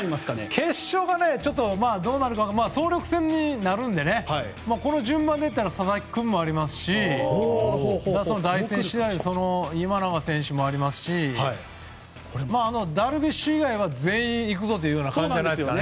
決勝は総力戦になるのでこの順番でいえば佐々木君もありますし今永選手もありますしダルビッシュ以外は全員行くぞという感じじゃないですかね。